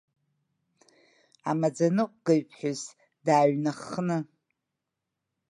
Ама ӡаныҟәгаҩ ԥҳәысдааҩнаххны.